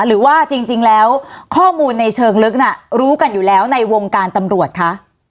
หรือว่าจริงแล้วข้อมูลในเชิงลึกน่ะรู้กันอยู่แล้วในวงการตำรวจคะ